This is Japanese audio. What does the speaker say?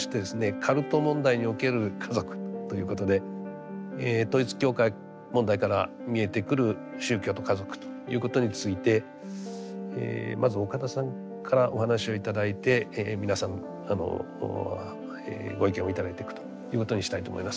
「カルト問題における家族」ということで統一教会問題から見えてくる宗教と家族ということについてまず岡田さんからお話を頂いて皆さんご意見を頂いていくということにしたいと思います。